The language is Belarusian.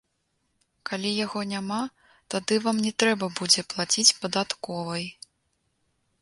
Калі яго няма, тады вам не трэба будзе плаціць падатковай.